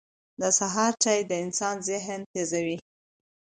• د سهار چای د انسان ذهن تیزوي.